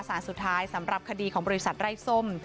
สารสุดท้ายสำหรับคดีของบริษัทไร้ส้ม